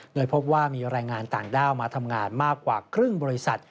โดยพบว่ามีแรงงานต่างด้าวมาทำงานมากกว่าครึ่งบริษัท